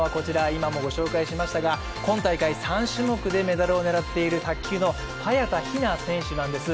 今もご紹介しましたが、今大会３種目でメダルを狙っている卓球の早田ひな選手なんです。